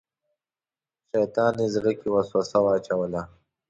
شیطان یې زړه کې وسوسه واچوله.